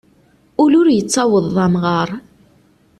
Ul ur yettaweḍ d amɣar.